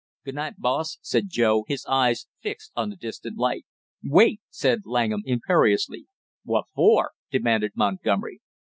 "Good night, boss!" said Joe, his eyes fixed on the distant light. "Wait!" said Langham imperiously. "What for?" demanded Montgomery.